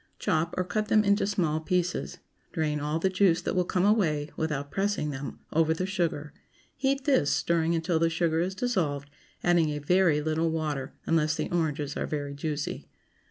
Chop, or cut them into small pieces; drain all the juice that will come away, without pressing them, over the sugar; heat this, stirring until the sugar is dissolved, adding a very little water, unless the oranges are very juicy.